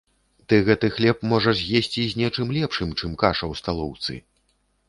Ты гэты хлеб можаш з'есці з нечым лепшым, чым каша ў сталоўцы.